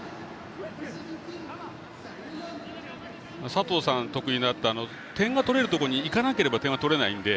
佐藤さん、得意だった点が取れるところに行かなければ点は取れないんで。